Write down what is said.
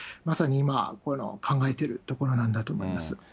まさに今、考えているところなんだと思います。